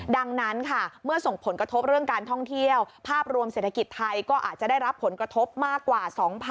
ดังนั้นค่ะเมื่อส่งผลกระทบเรื่องการท่องเที่ยวภาพรวมเศรษฐกิจไทยก็อาจจะได้รับผลกระทบมากกว่า๒๐๐๐